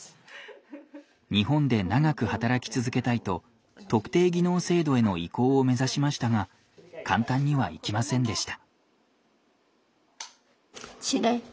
日本で長く働き続けたいと特定技能制度への移行を目指しましたが簡単にはいきませんでした。